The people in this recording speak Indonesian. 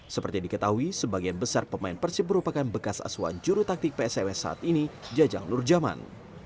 seperti diketahui sebagian besar pemain persib merupakan bekas asuhan juru taktik pss saat ini jajang lurjaman